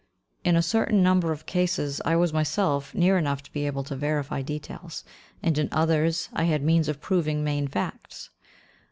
In a certain number of cases I was myself near enough to be able to verify details, and in others I had means of proving main facts.